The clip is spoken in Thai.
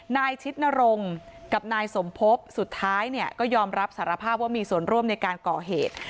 ชิดนรงค์กับนายสมภพสุดท้ายเนี่ยก็ยอมรับสารภาพว่ามีส่วนร่วมในการก่อเหตุ